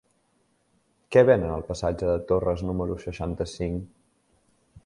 Què venen al passatge de Torres número seixanta-cinc?